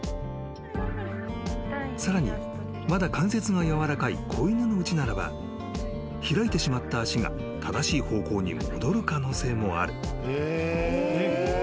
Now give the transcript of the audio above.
［さらにまだ関節がやわらかい子犬のうちならば開いてしまった足が正しい方向に戻る可能性もある］